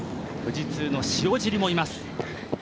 富士通の塩尻もいます。